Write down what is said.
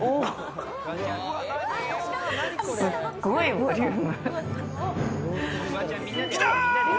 すっごいボリューム！来た！